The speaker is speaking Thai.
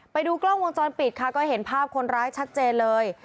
ไปดูกล้องวงจรปิดค่ะก็เห็นภาพคนร้ายชัดเจนเลย